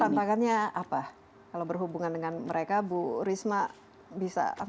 tantangannya apa kalau berhubungan dengan mereka bu risma bisa